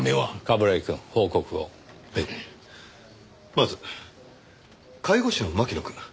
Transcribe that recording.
まず介護士の牧野くん。